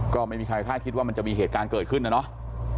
ก็ไม่มีใครคาดคิดว่ามันจะมีเหตุการณ์เกิดขึ้นนะเนาะ